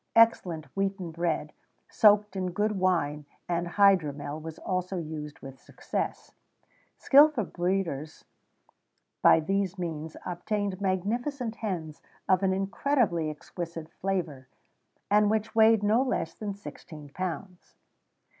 Excellent wheaten bread, soaked in good wine and hydromel, was also used with success.[XVII 23] Skilful breeders by these means obtained magnificent hens of an incredibly exquisite flavour, and which weighed no less than sixteen pounds.